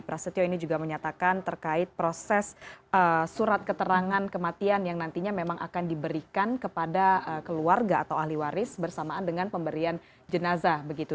prasetyo ini juga menyatakan terkait proses surat keterangan kematian yang nantinya memang akan diberikan kepada keluarga atau ahli waris bersamaan dengan pemberian jenazah begitu